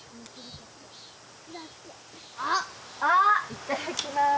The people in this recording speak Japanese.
いただきます。